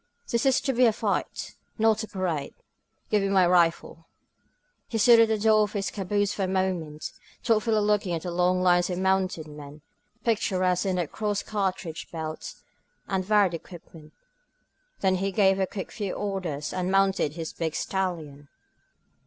This is to be a fight, not a parade. Give me my rifle !" He stood at the door of his caboose for a moment, thoughtfully looking at the long lines of mounted men, picturesque in their crossed cartridge belts and varied equipment. Then he gave a few quick orders and mounted his big stallion.